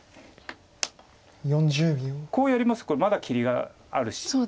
こうやりますとまだ切りがあるし。